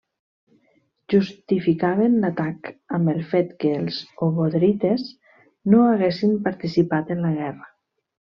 Justificaven l'atac amb el fet que els obodrites no haguessin participat en la guerra.